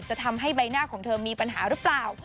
จะทำให้ใบหน้าของเธอมีปัญหาหรือเปล่า